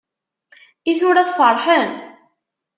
I tura tfarḥem?